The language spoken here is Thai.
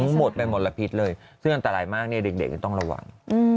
หมดไปหมดละพิษเลยซึ่งอันตรายมากเด็กคือต้องระวัง